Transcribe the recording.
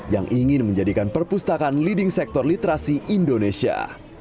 yang ingin menjadikan perpustakaan leading sektor literasi indonesia